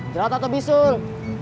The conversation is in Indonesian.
jalat atau bisul